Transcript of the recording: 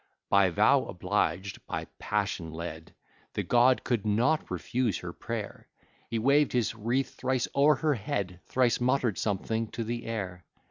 By vow oblig'd, by passion led, The god could not refuse her prayer: He way'd his wreath thrice o'er her head, Thrice mutter'd something to the air.